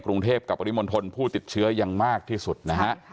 กรุงเทพกับปริมณฑลผู้ติดเชื้อยังมากที่สุดนะฮะ